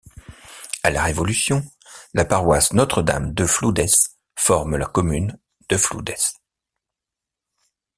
À la Révolution, la paroisse Notre-Dame de Floudès forme la commune de Floudès.